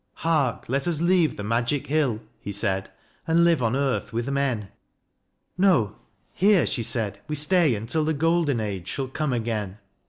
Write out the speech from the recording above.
" Hark, let us leave the magic hill," He said, "and live on earth with men." " No ; here," she said, " we stay until The golden age shall come again."